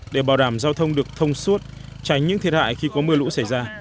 để bảo đảm giao thông được thông suốt tránh những thiệt hại khi có mưa lũ xảy ra